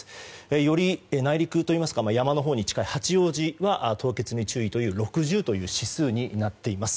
より内陸といいますか山のほうに近い八王子は凍結に注意という６０という指数になっています。